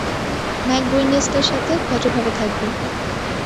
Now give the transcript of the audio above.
McGuinness দের সাথে ভদ্রভাবে থাকবি।